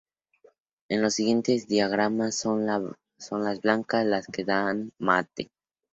En los siguientes diagramas son las blancas las que dan mate.